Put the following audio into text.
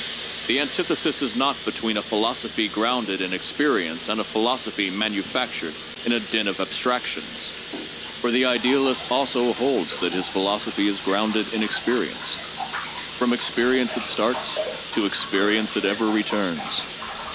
The antithesis is not between a philosophy grounded in experience and a philosophy manufactured in a den of abstractions. For the idealist also holds that his philosophy is grounded in experience; from experience it starts, to experience it ever returns.